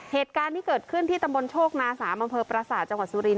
เหตุการณ์ที่เกิดขึ้นที่ตำบลโชคนาสามอำเภอประสาทจังหวัดสุรินท